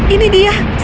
ini dia sebelas